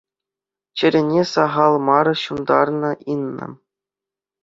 Чӗрене сахал мар ҫунтарнӑ Инна.